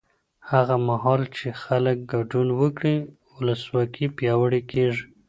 هغه مهال چې خلک ګډون وکړي، ولسواکي پیاوړې کېږي.